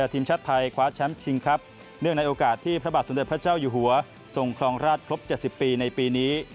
ภาพสมเด็จพระเจ้าอยู่หัวทรงครองราชครบ๗๐ปีในปีนี้